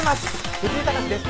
藤井隆です